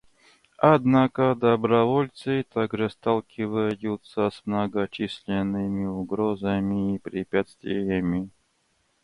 Однако добровольцы также сталкиваются с многочисленными угрозами и препятствиями.